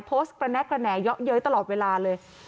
โพสต์กระแนกเยอะเย้ยตลอดเวลาเลย